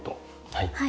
はい。